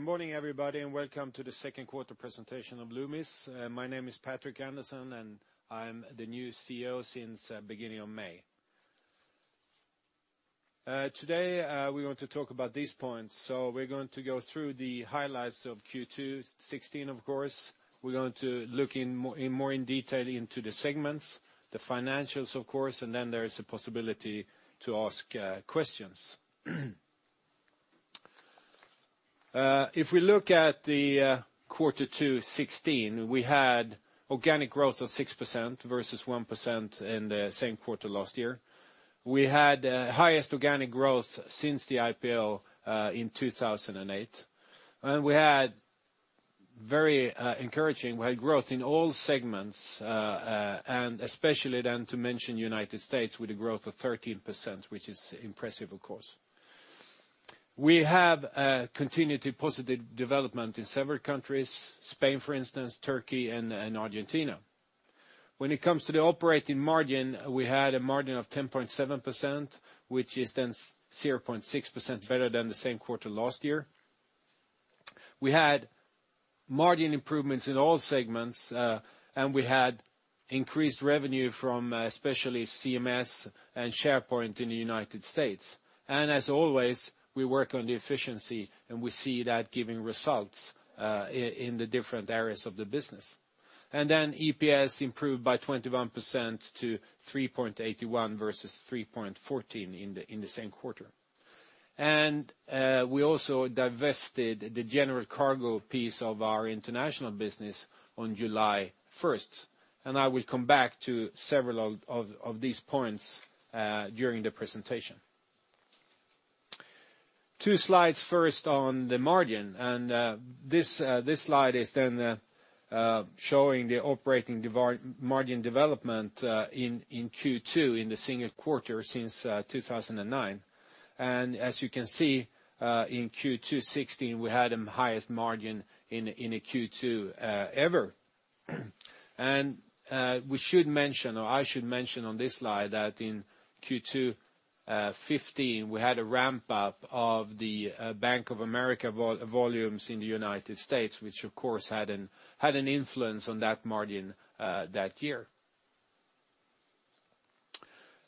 Good morning, everybody, and welcome to the second quarter presentation of Loomis. My name is Patrik Andersson, and I am the new CEO since beginning of May. Today, we are going to talk about these points. We are going to go through the highlights of Q2 2016, of course. We are going to look more in detail into the segments, the financials, of course, and there is a possibility to ask questions. We look at the quarter 2 2016, we had organic growth of 6% versus 1% in the same quarter last year. We had the highest organic growth since the IPO in 2008. We had very encouraging growth in all segments, especially then to mention United States with a growth of 13%, which is impressive, of course. We have continued positive development in several countries, Spain, for instance, Turkey, and Argentina. When it comes to the operating margin, we had a margin of 10.7%, which is 0.6% better than the same quarter last year. We had margin improvements in all segments, and we had increased revenue from especially CMS and SafePoint in the United States. As always, we work on the efficiency, and we see that giving results in the different areas of the business. EPS improved by 21% to 3.81 versus 3.14 in the same quarter. We also divested the general cargo piece of our international business on July 1st. I will come back to several of these points during the presentation. Two slides first on the margin, this slide is showing the operating margin development in Q2 in the single quarter since 2009. As you can see, in Q2 2016, we had the highest margin in a Q2 ever. We should mention, or I should mention on this slide that in Q2 2015, we had a ramp-up of the Bank of America volumes in the United States, which of course, had an influence on that margin that year.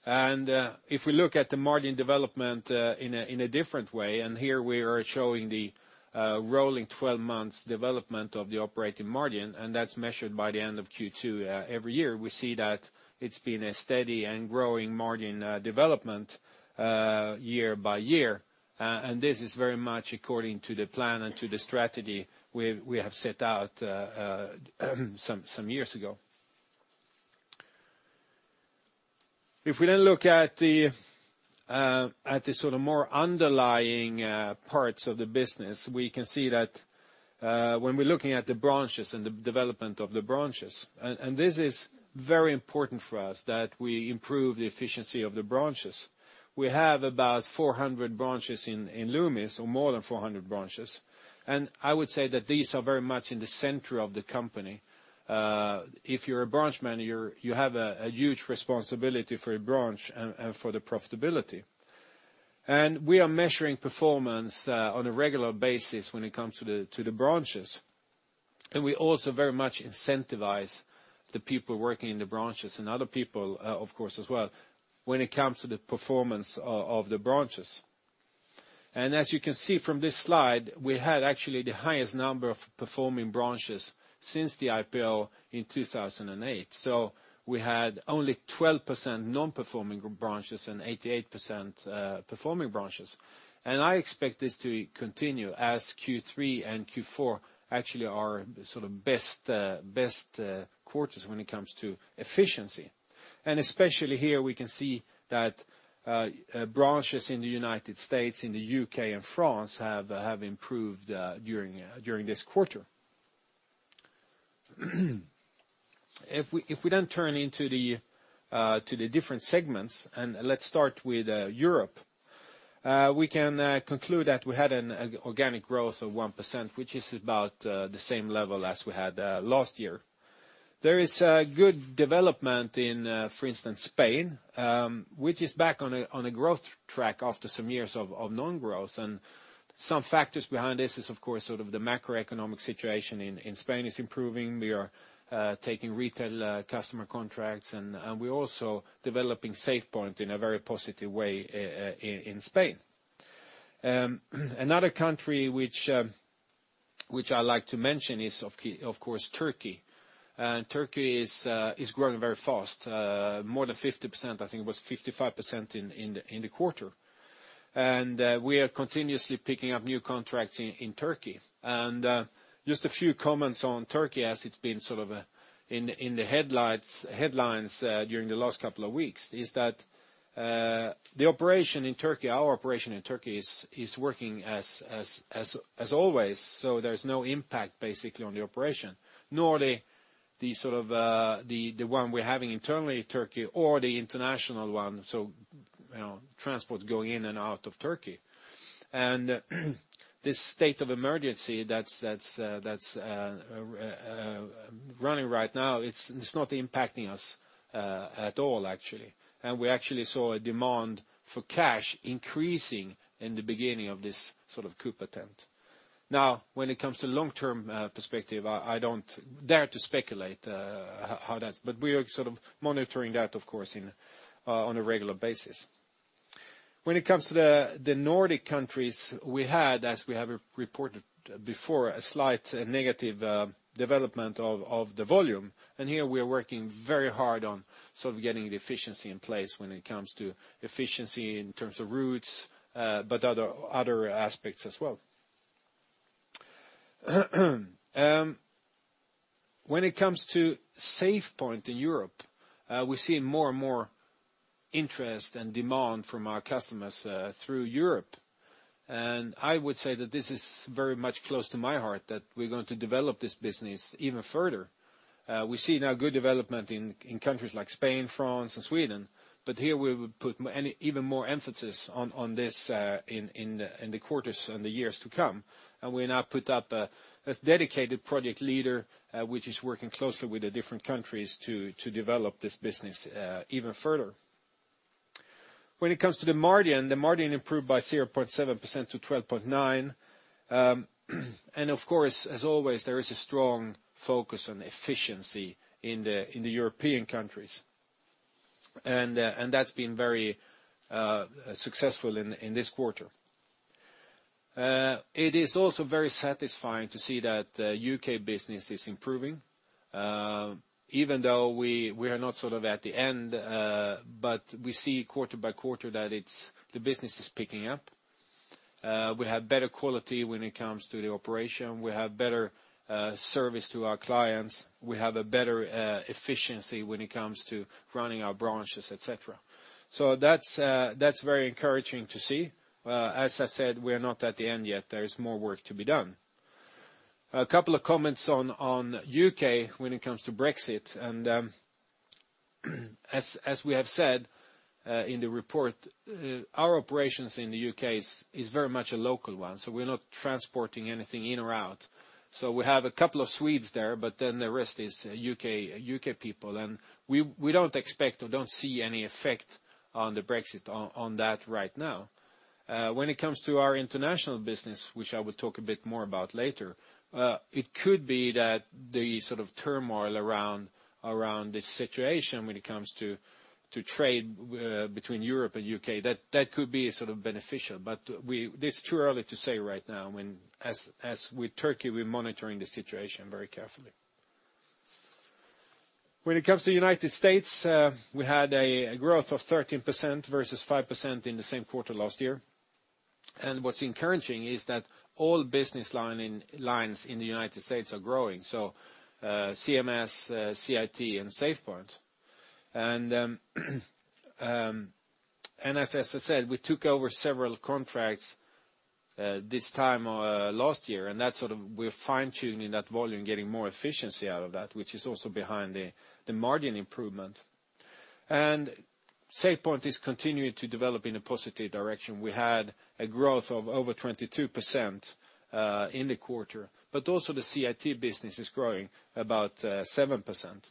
We look at the margin development in a different way, and here we are showing the rolling 12 months development of the operating margin, and that is measured by the end of Q2 every year. We see that it has been a steady and growing margin development year by year. This is very much according to the plan and to the strategy we have set out some years ago. We look at the more underlying parts of the business, we can see that when we are looking at the branches and the development of the branches, this is very important for us that we improve the efficiency of the branches. We have about 400 branches in Loomis or more than 400 branches, and I would say that these are very much in the center of the company. If you are a branch manager, you have a huge responsibility for your branch and for the profitability. We are measuring performance on a regular basis when it comes to the branches. We also very much incentivize the people working in the branches and other people, of course as well, when it comes to the performance of the branches. As you can see from this slide, we had actually the highest number of performing branches since the IPO in 2008. We had only 12% non-performing branches and 88% performing branches. I expect this to continue as Q3 and Q4 actually are best quarters when it comes to efficiency. Especially here, we can see that branches in the U.S., in the U.K., and France have improved during this quarter. If we then turn into the different segments, let's start with Europe. We can conclude that we had an organic growth of 1%, which is about the same level as we had last year. There is a good development in, for instance, Spain, which is back on a growth track after some years of non-growth. Some factors behind this is, of course, the macroeconomic situation in Spain is improving. We are taking retail customer contracts, and we're also developing SafePoint in a very positive way in Spain. Another country which I like to mention is, of course, Turkey. Turkey is growing very fast. More than 50%. I think it was 55% in the quarter. We are continuously picking up new contracts in Turkey. Just a few comments on Turkey as it's been in the headlines during the last couple of weeks, is that our operation in Turkey is working as always. There's no impact, basically, on the operation, nor the one we're having internally Turkey or the international one, so transport going in and out of Turkey. This state of emergency that's running right now, it's not impacting us at all, actually. We actually saw a demand for cash increasing in the beginning of this coup attempt. Now, when it comes to long-term perspective, I don't dare to speculate how that is. We are monitoring that, of course, on a regular basis. When it comes to the Nordic countries, we had, as we have reported before, a slight negative development of the volume. Here we are working very hard on getting the efficiency in place when it comes to efficiency in terms of routes, but other aspects as well. When it comes to SafePoint in Europe, we're seeing more and more interest and demand from our customers through Europe. I would say that this is very much close to my heart, that we're going to develop this business even further. We see now good development in countries like Spain, France, and Sweden, but here we will put even more emphasis on this in the quarters and the years to come. We now put up a dedicated project leader, which is working closely with the different countries to develop this business even further. When it comes to the margin, the margin improved by 0.7% to 12.9. Of course, as always, there is a strong focus on efficiency in the European countries. That's been very successful in this quarter. It is also very satisfying to see that U.K. business is improving. Even though we are not at the end, but we see quarter by quarter that the business is picking up. We have better quality when it comes to the operation. We have better service to our clients. We have a better efficiency when it comes to running our branches, et cetera. That's very encouraging to see. As I said, we're not at the end yet. There is more work to be done. A couple of comments on U.K. when it comes to Brexit. As we have said in the report, our operations in the U.K. is very much a local one, so we're not transporting anything in or out. We have a couple of Swedes there, then the rest is U.K. people. We don't expect or don't see any effect on the Brexit on that right now. When it comes to our international business, which I will talk a bit more about later, it could be that the turmoil around the situation when it comes to trade between Europe and U.K., that could be beneficial. It's too early to say right now, when, as with Turkey, we're monitoring the situation very carefully. When it comes to the U.S., we had a growth of 13% versus 5% in the same quarter last year. What's encouraging is that all business lines in the U.S. are growing. CMS, CIT, and SafePoint. As I said, we took over several contracts this time last year, and we're fine-tuning that volume, getting more efficiency out of that, which is also behind the margin improvement. SafePoint is continuing to develop in a positive direction. We had a growth of over 22% in the quarter, but also the CIT business is growing about 7%.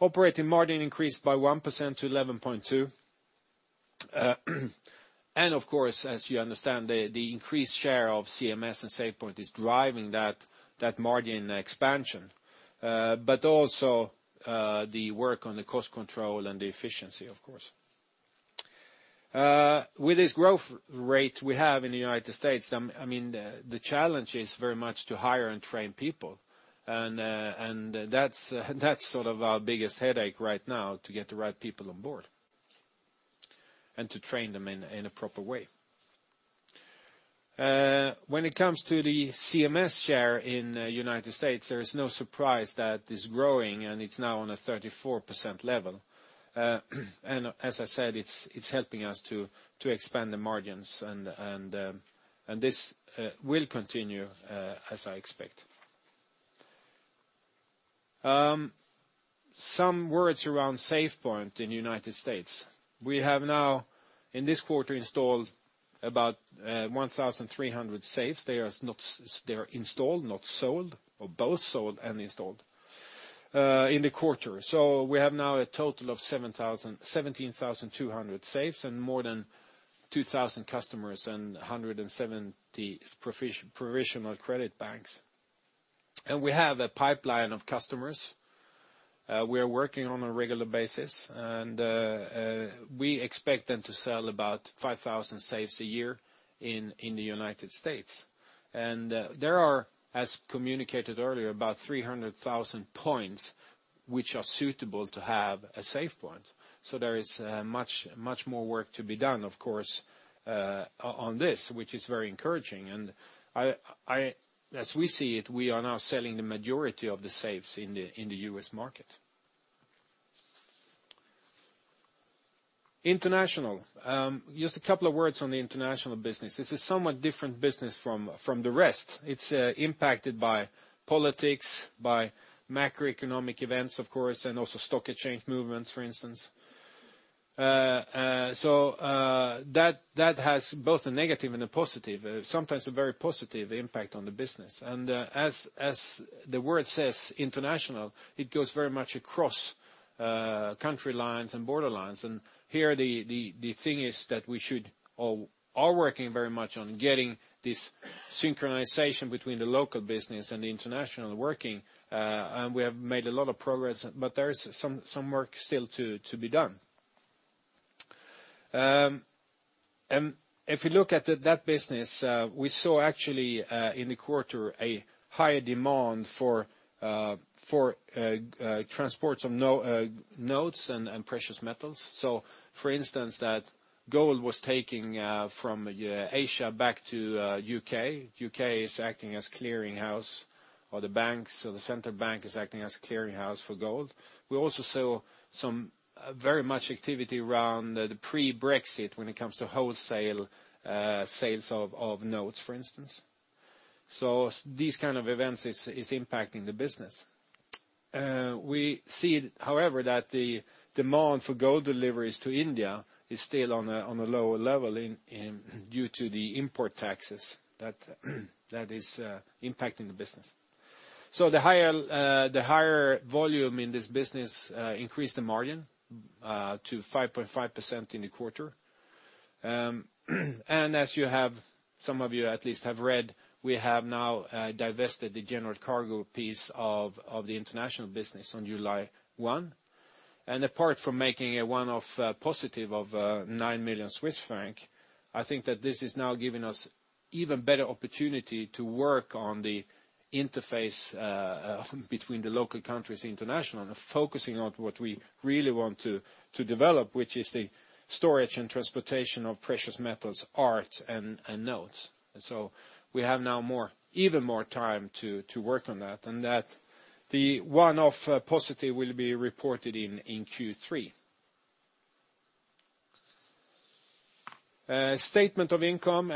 Operating margin increased by 1% to 11.2%. Of course, as you understand, the increased share of CMS and SafePoint is driving that margin expansion. Also the work on the cost control and the efficiency, of course. With this growth rate we have in the U.S., the challenge is very much to hire and train people. That's our biggest headache right now, to get the right people on board and to train them in a proper way. When it comes to the CMS share in the U.S., there is no surprise that it's growing, and it's now on a 34% level. As I said, it's helping us to expand the margins, and this will continue, as I expect. Some words around SafePoint in the U.S. We have now, in this quarter, installed about 1,300 safes. They are installed, not sold, or both sold and installed in the quarter. We have now a total of 17,200 safes and more than 2,000 customers and 170 provisional credit banks. We have a pipeline of customers we are working on a regular basis, and we expect them to sell about 5,000 safes a year in the U.S. There are, as communicated earlier, about 300,000 points which are suitable to have a SafePoint. There is much more work to be done, of course, on this, which is very encouraging. As we see it, we are now selling the majority of the safes in the U.S. market. International. Just a couple of words on the international business. This is a somewhat different business from the rest. It's impacted by politics, by macroeconomic events, of course, and also stock exchange movements, for instance. That has both a negative and a positive, sometimes a very positive impact on the business. As the word says international, it goes very much across country lines and border lines. Here the thing is that we are working very much on getting this synchronization between the local business and the international working. We have made a lot of progress, but there's some work still to be done. If you look at that business, we saw actually, in the quarter, a higher demand for transports of notes and precious metals. For instance, that gold was taken from Asia back to U.K. U.K. is acting as clearing house or the banks, or the central bank is acting as a clearing house for gold. We also saw some very much activity around the pre-Brexit when it comes to wholesale sales of notes, for instance. These kind of events is impacting the business. We see, however, that the demand for gold deliveries to India is still on a lower level due to the import taxes that is impacting the business. The higher volume in this business increased the margin to 5.5% in the quarter. As some of you at least have read, we have now divested the general cargo piece of the international business on July 1. Apart from making a one-off positive of 9 million Swiss francs, I think that this is now giving us even better opportunity to work on the interface between the local countries international and focusing on what we really want to develop, which is the storage and transportation of precious metals, art, and notes. We have now even more time to work on that, and that the one-off positive will be reported in Q3. Statement of income.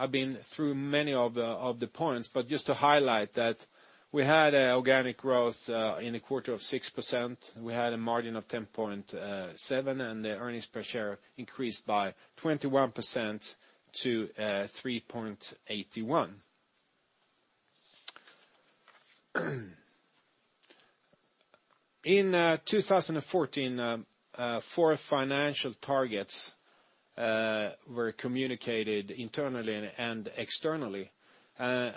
I've been through many of the points, but just to highlight that we had organic growth in the quarter of 6%. We had a margin of 10.7%, and the earnings per share increased by 21% to 3.81. In 2014, four financial targets were communicated internally and externally.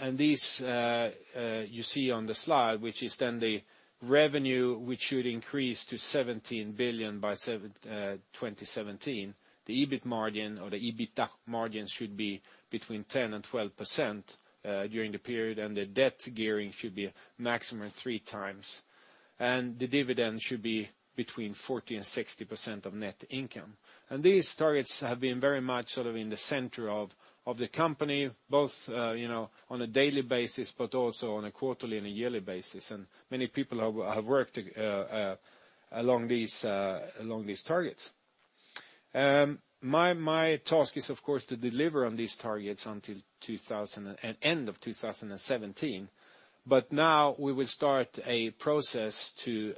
These you see on the slide, which is then the revenue, which should increase to 17 billion by 2017. The EBIT margin or the EBITA margin should be between 10%-12% during the period, and the debt gearing should be maximum three times, and the dividend should be between 40%-60% of net income. These targets have been very much sort of in the center of the company, both on a daily basis, but also on a quarterly and a yearly basis, and many people have worked along these targets. My task is, of course, to deliver on these targets until end of 2017. Now we will start a process to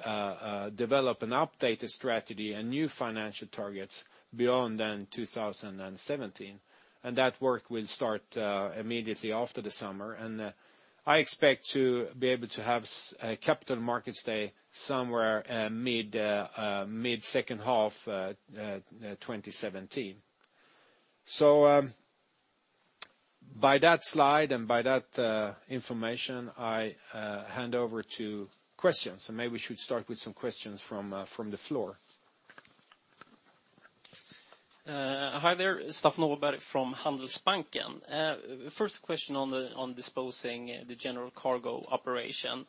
develop an updated strategy and new financial targets beyond then 2017. That work will start immediately after the summer. I expect to be able to have a capital markets day somewhere mid-second half 2017. By that slide and by that information, I hand over to questions, and maybe we should start with some questions from the floor. Hi there, Staffan Åberg from Handelsbanken. First question on disposing the general cargo operation.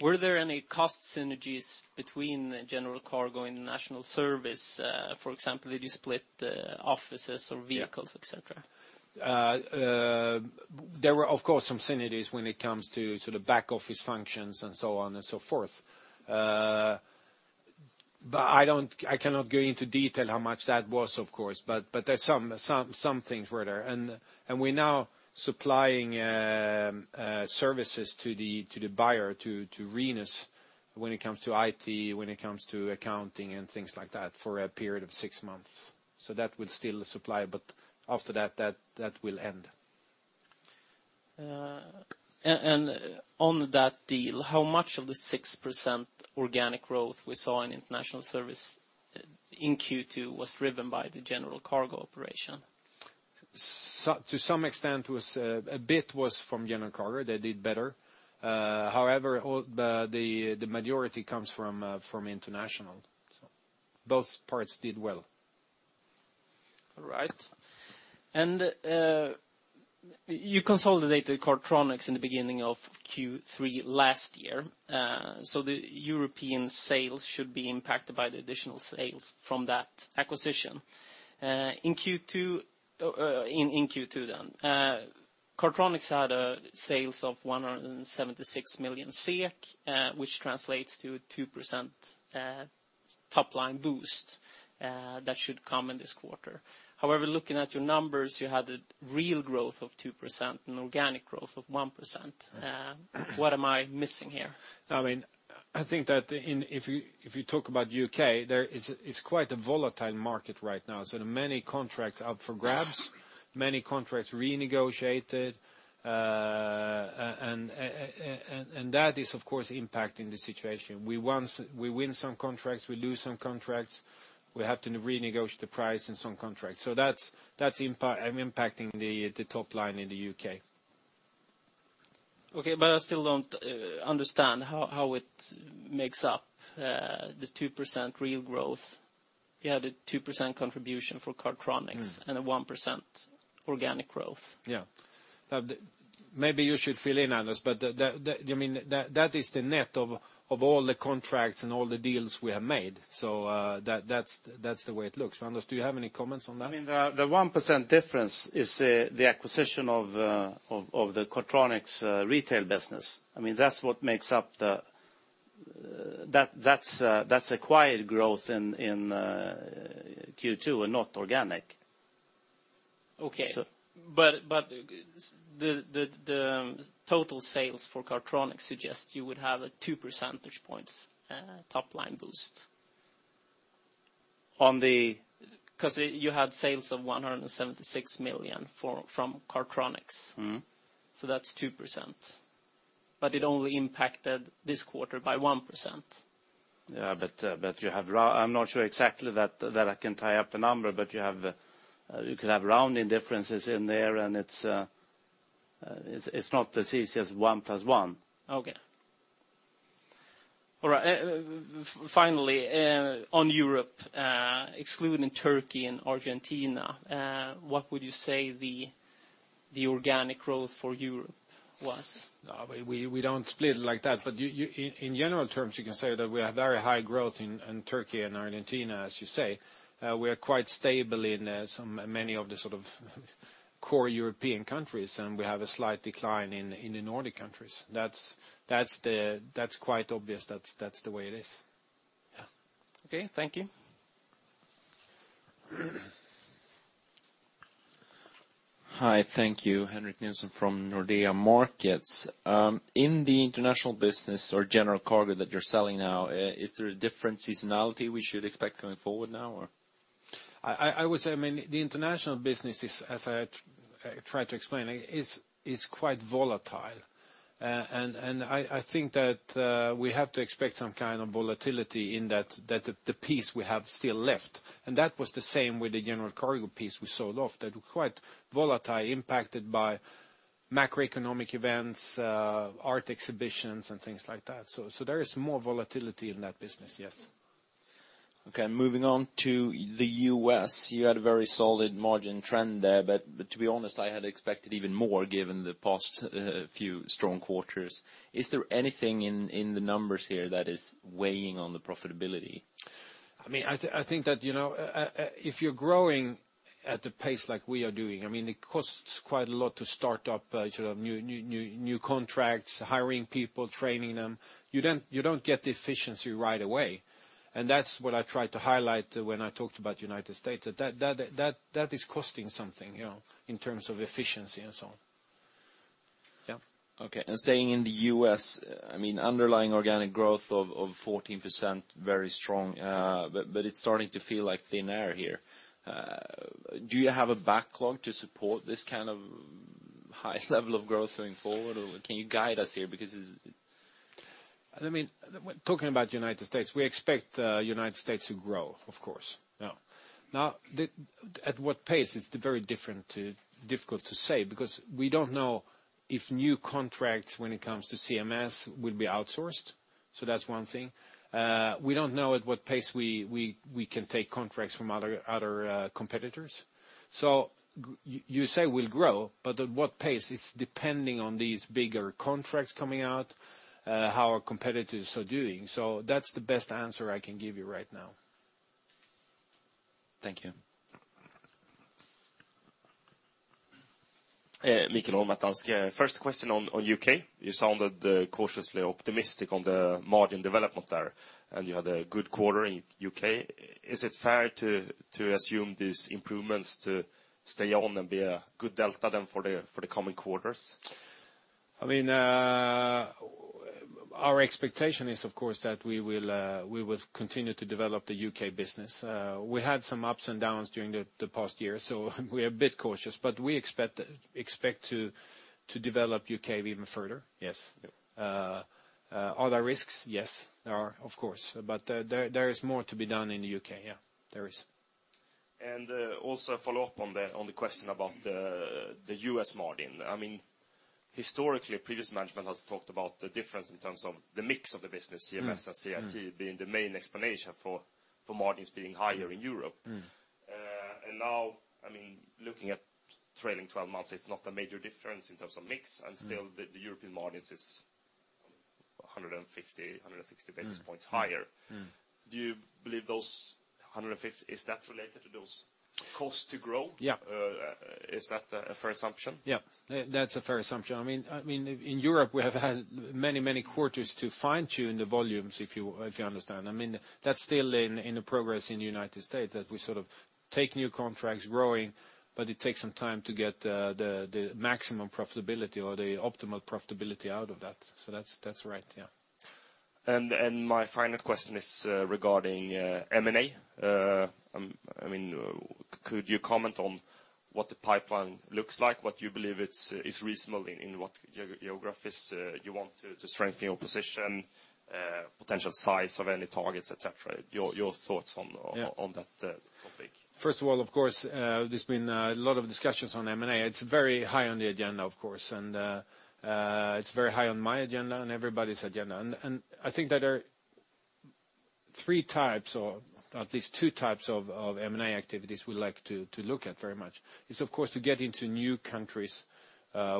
Were there any cost synergies between general cargo and international service? For example, did you split offices or vehicles, et cetera? There were, of course, some synergies when it comes to the back-office functions and so on and so forth. I cannot go into detail how much that was, of course, but some things were there, and we're now supplying services to the buyer, to Rhenus when it comes to IT, when it comes to accounting and things like that for a period of six months. That will still supply, but after that will end. On that deal, how much of the 6% organic growth we saw in international service in Q2 was driven by the general cargo operation? To some extent, a bit was from general cargo. They did better. However, the majority comes from international. Both parts did well. All right. You consolidated Cardtronics in the beginning of Q3 last year. The European sales should be impacted by the additional sales from that acquisition. In Q2, Cardtronics had sales of 176 million SEK which translates to 2% top-line boost that should come in this quarter. However, looking at your numbers, you had a real growth of 2% and organic growth of 1%. What am I missing here? I think that if you talk about U.K., it's quite a volatile market right now. Many contracts up for grabs, many contracts renegotiated, that is, of course, impacting the situation. We win some contracts, we lose some contracts. We have to renegotiate the price in some contracts. That's impacting the top line in the U.K. Okay. I still don't understand how it makes up the 2% real growth. You had a 2% contribution for Cardtronics and a 1% organic growth. Yeah. Maybe you should fill in, Anders, that is the net of all the contracts and all the deals we have made. That's the way it looks. Anders, do you have any comments on that? The 1% difference is the acquisition of the Cardtronics retail business. That's acquired growth in Q2 and not organic. Okay. The total sales for Cardtronics suggest you would have a two percentage points top line boost. On the? You had sales of 176 million from Cardtronics. That's 2%. It only impacted this quarter by 1%. I'm not sure exactly that I can tie up the number, you could have rounding differences in there, and it's not as easy as one plus one. Finally, on Europe, excluding Turkey and Argentina, what would you say the organic growth for Europe was? We don't split it like that, in general terms, you can say that we have very high growth in Turkey and Argentina, as you say. We are quite stable in many of the sort of core European countries, and we have a slight decline in the Nordic countries. That's quite obvious. That's the way it is. Yeah. Okay, thank you. Hi, thank you. Henrik Nilsson from Nordea Markets. In the international business or general cargo that you're selling now, is there a different seasonality we should expect going forward now? I would say, the international business is, as I tried to explain, quite volatile. I think that we have to expect some kind of volatility in the piece we have still left. That was the same with the general cargo piece we sold off, that were quite volatile, impacted by macroeconomic events, art exhibitions and things like that. There is more volatility in that business, yes. Okay, moving on to the U.S. You had a very solid margin trend there, to be honest, I had expected even more given the past few strong quarters. Is there anything in the numbers here that is weighing on the profitability? I think that if you're growing at a pace like we are doing, it costs quite a lot to start up new contracts, hiring people, training them. You don't get the efficiency right away. That's what I tried to highlight when I talked about U.S., that is costing something in terms of efficiency and so on. Staying in the U.S., underlying organic growth of 14%, very strong. It's starting to feel like thin air here. Do you have a backlog to support this kind of high level of growth going forward? Can you guide us here? It's Talking about U.S., we expect U.S. to grow, of course. At what pace? It's very difficult to say. We don't know if new contracts, when it comes to CMS, will be outsourced. That's one thing. We don't know at what pace we can take contracts from other competitors. You say we'll grow, but at what pace? It's depending on these bigger contracts coming out, how our competitors are doing. That's the best answer I can give you right now. Thank you. [inaudible] First question on U.K. You sounded cautiously optimistic on the margin development there, and you had a good quarter in U.K. Is it fair to assume these improvements to stay on and be a good delta for the coming quarters? Our expectation is, of course, that we will continue to develop the U.K. business. We had some ups and downs during the past year, we are a bit cautious, we expect to develop U.K. even further, yes. Are there risks? Yes, there are, of course, but there is more to be done in the U.K. Yeah, there is. Also a follow-up on the question about the U.S. margin. Historically, previous management has talked about the difference in terms of the mix of the business, CMS and CIT being the main explanation for margins being higher in Europe. Now, looking at trailing 12 months, it's not a major difference in terms of mix, and still the European margins is 150, 160 basis points higher. Is that related to Cost to grow? Yeah. Is that a fair assumption? Yeah, that's a fair assumption. In Europe, we have had many quarters to fine-tune the volumes, if you understand. That's still in the progress in the U.S., that we sort of take new contracts growing, but it takes some time to get the maximum profitability or the optimal profitability out of that. That's right, yeah. My final question is regarding M&A. Could you comment on what the pipeline looks like, what you believe is reasonable in what geographies you want to strengthen your position, potential size of any targets, et cetera, your thoughts on that topic? First of all, of course, there's been a lot of discussions on M&A. It's very high on the agenda, of course, and it's very high on my agenda and everybody's agenda. I think that there are 3 types, or at least 2 types of M&A activities we like to look at very much. It's of course to get into new countries,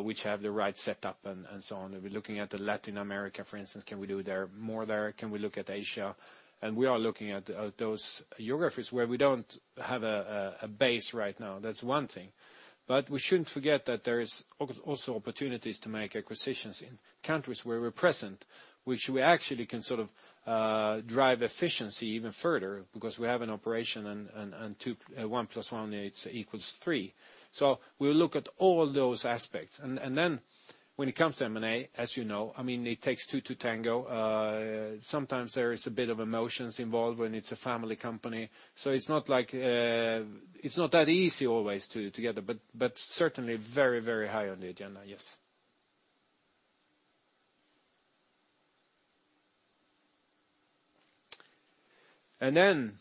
which have the right setup and so on. We're looking at the Latin America, for instance, can we do more there? Can we look at Asia? We are looking at those geographies where we don't have a base right now. That's one thing. We shouldn't forget that there is also opportunities to make acquisitions in countries where we're present, which we actually can sort of drive efficiency even further because we have an operation and one plus one equals three. we look at all those aspects. When it comes to M&A, as you know, it takes two to tango. Sometimes there is a bit of emotions involved when it's a family company. It's not that easy always together, but certainly very high on the agenda, yes. One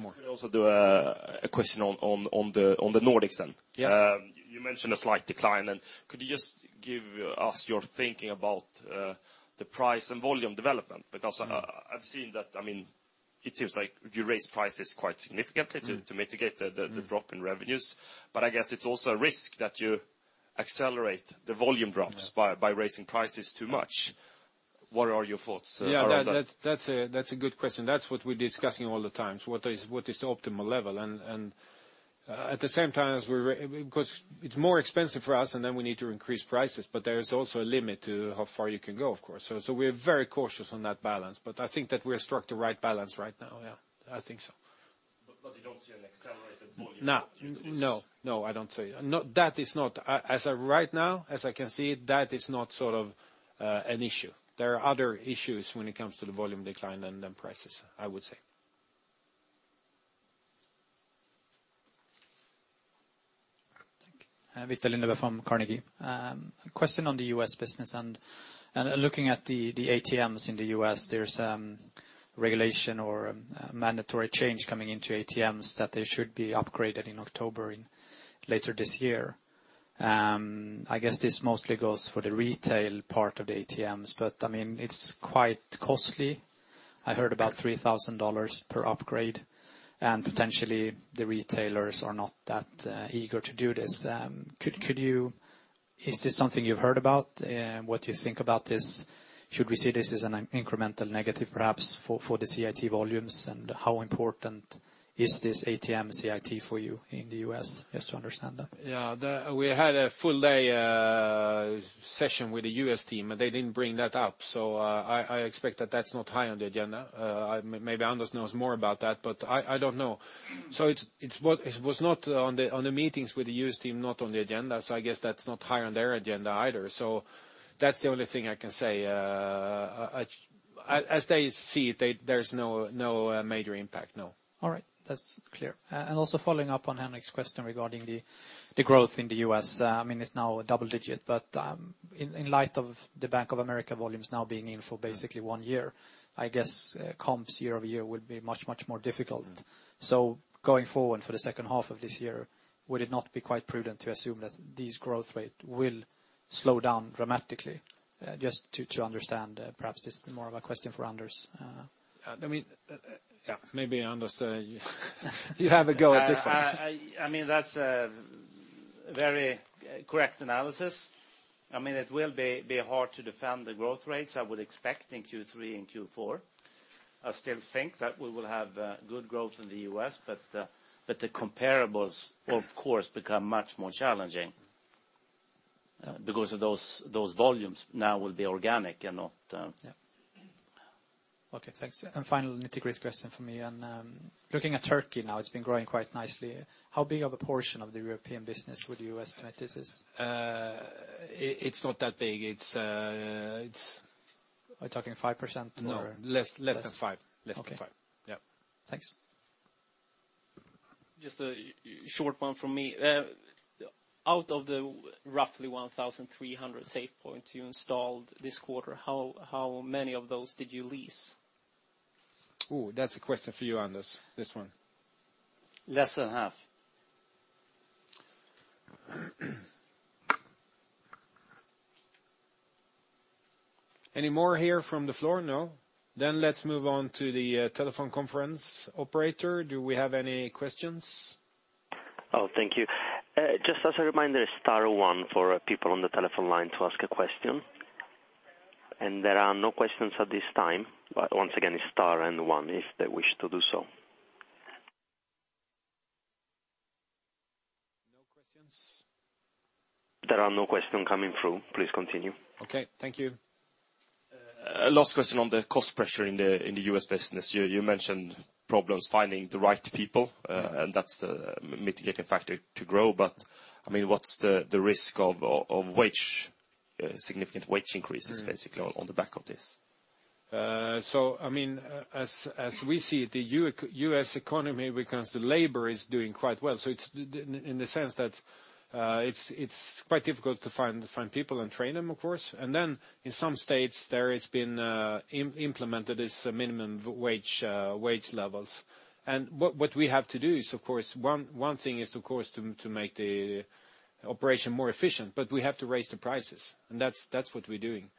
more. Could we also do a question on the Nordics then? Yeah. You mentioned a slight decline, could you just give us your thinking about the price and volume development? I've seen that it seems like you raised prices quite significantly to mitigate the drop in revenues. I guess it's also a risk that you accelerate the volume drops by raising prices too much. What are your thoughts around that? Yeah, that's a good question. That's what we're discussing all the time, what is the optimal level. At the same time, because it's more expensive for us and then we need to increase prices, there is also a limit to how far you can go, of course. We're very cautious on that balance. I think that we have struck the right balance right now, yeah. I think so. You don't see an accelerated volume? I don't see As of right now, as I can see, that is not an issue. There are other issues when it comes to the volume decline and then prices, I would say. Thank you. Viktor Lindeberg from Carnegie. Question on the U.S. business and looking at the ATMs in the U.S., there's regulation or mandatory change coming into ATMs that they should be upgraded in October later this year. I guess this mostly goes for the retail part of the ATMs, but it's quite costly. I heard about $3,000 per upgrade, and potentially the retailers are not that eager to do this. Is this something you've heard about? What do you think about this? Should we see this as an incremental negative, perhaps, for the CIT volumes? How important is this ATM CIT for you in the U.S.? Just to understand that. Yeah. They didn't bring that up. I expect that that's not high on the agenda. Maybe Anders knows more about that, but I don't know. It was not on the meetings with the U.S. team, not on the agenda, so I guess that's not high on their agenda either. That's the only thing I can say. As they see it, there's no major impact, no. All right. That's clear. Also following up on Henrik's question regarding the growth in the U.S., it's now double-digit, but in light of the Bank of America volumes now being in for basically one year, I guess comps year-over-year would be much more difficult. Going forward for the second half of this year, would it not be quite prudent to assume that this growth rate will slow down dramatically? Just to understand, perhaps this is more of a question for Anders. Maybe Anders, you have a go at this one. That's a very correct analysis. It will be hard to defend the growth rates, I would expect, in Q3 and Q4. I still think that we will have good growth in the U.S., the comparables, of course, become much more challenging because those volumes now will be organic and not- Okay, thanks. Final nitty-gritty question from me. Looking at Turkey now, it's been growing quite nicely. How big of a portion of the European business would you estimate this is? It's not that big. Are you talking 5% or? No, less than 5%. Okay. Yeah. Thanks. Just a short one from me. Out of the roughly 1,300 SafePoint you installed this quarter, how many of those did you lease? That's a question for you, Anders, this one. Less than half. Any more here from the floor? No. Let's move on to the telephone conference operator. Do we have any questions? Oh, thank you. Just as a reminder, star one for people on the telephone line to ask a question. There are no questions at this time. Once again, it's star and one if they wish to do so. No questions? There are no questions coming through. Please continue. Okay. Thank you. A last question on the cost pressure in the U.S. business. You mentioned problems finding the right people. That's a mitigating factor to grow, but what's the risk of significant wage increases, basically, on the back of this? As we see it, the U.S. economy, when it comes to labor, is doing quite well. It's, in the sense that it's quite difficult to find people and train them, of course. Then in some states, there it's been implemented as minimum wage levels. What we have to do is, one thing is, of course, to make the operation more efficient, but we have to raise the prices, and that's what we're doing.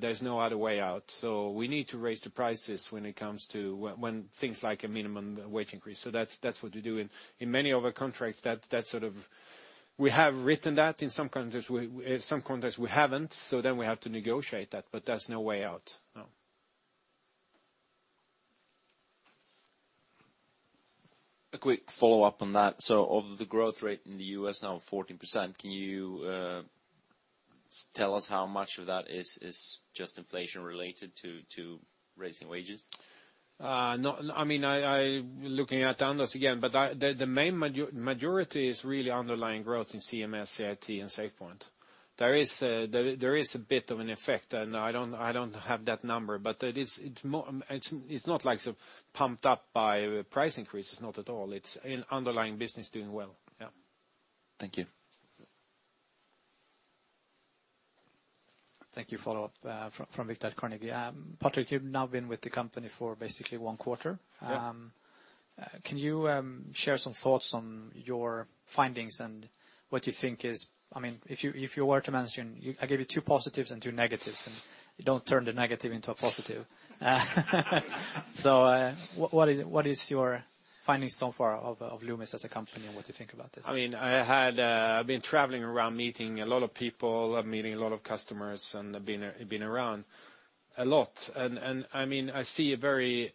There's no other way out. We need to raise the prices when it comes to when things like a minimum wage increase. That's what we do. In many other contracts, we have written that. In some contracts, we haven't, so then we have to negotiate that, but there's no way out. No. A quick follow-up on that. Of the growth rate in the U.S. now of 14%, can you tell us how much of that is just inflation related to raising wages? Looking at Anders again, the main majority is really underlying growth in CMS, CIT, and SafePoint. There is a bit of an effect, I don't have that number, it's not pumped up by price increases, not at all. It's an underlying business doing well. Yeah. Thank you. Thank you. Follow-up from Viktor at Carnegie. Patrik, you've now been with the company for basically one quarter. Yeah. Can you share some thoughts on your findings and what you think? If you were to mention, I give you two positives and two negatives, and you don't turn the negative into a positive. What is your findings so far of Loomis as a company, and what you think about this? I've been traveling around, meeting a lot of people, meeting a lot of customers, and I've been around a lot. I see a very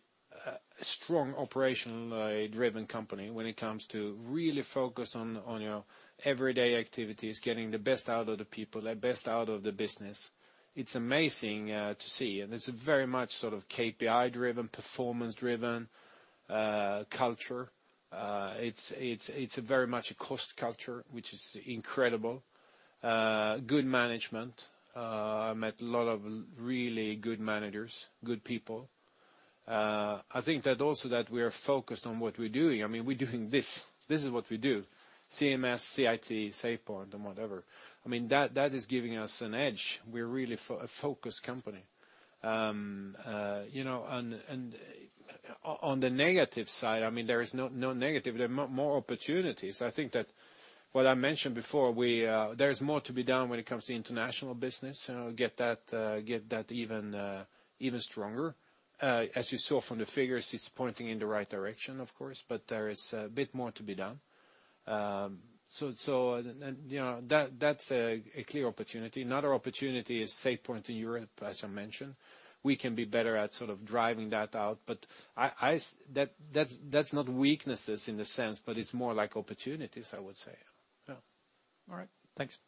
strong operational-driven company when it comes to really focus on your everyday activities, getting the best out of the people, the best out of the business. It's amazing to see, and it's very much KPI-driven, performance-driven culture. It's very much a cost culture, which is incredible. Good management. I met a lot of really good managers, good people. I think that also that we are focused on what we're doing. We're doing this. This is what we do, CMS, CIT, SafePoint, and whatever. That is giving us an edge. We're really a focused company. On the negative side, there is no negative. There are more opportunities. I think that what I mentioned before, there's more to be done when it comes to international business, get that even stronger. As you saw from the figures, it's pointing in the right direction, of course, but there is a bit more to be done. That's a clear opportunity. Another opportunity is SafePoint in Europe, as I mentioned. We can be better at driving that out, but that's not weaknesses in a sense, but it's more like opportunities, I would say. Yeah. All right. Thanks.